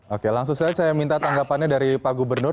oke langsung saja saya minta tanggapannya dari pak gubernur